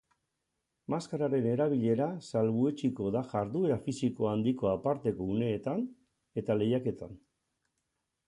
Maskararen erabilera salbuetsiko da jarduera fisiko handiko aparteko uneetan eta lehiaketan.